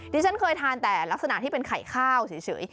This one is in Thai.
ที่ฉันเคยทานแต่ลักษณะที่เป็นไข่ข้าวเฉย